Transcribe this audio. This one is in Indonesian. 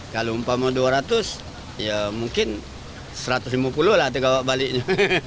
kalau mumpah mau dua ratus ya mungkin satu ratus lima puluh lah tiga baliknya